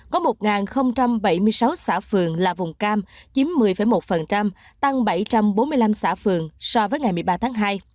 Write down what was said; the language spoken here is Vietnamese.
có một bảy mươi sáu xã phường là vùng cam chiếm một mươi một tăng bảy trăm bốn mươi năm xã phường so với ngày một mươi ba tháng hai